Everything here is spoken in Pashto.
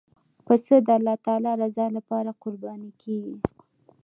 پسه د الله تعالی رضا لپاره قرباني کېږي.